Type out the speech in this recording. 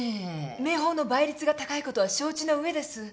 明峰の倍率が高いことは承知の上です。